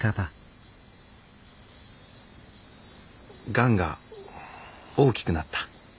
がんが大きくなった。